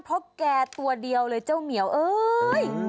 เพราะแกตัวเดียวเลยเจ้าเหมียวเอ้ย